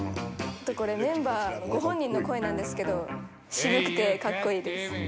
「あとこれメンバーご本人の声なんですけど渋くて格好いいです」